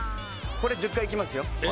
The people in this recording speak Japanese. これ１０回いきます。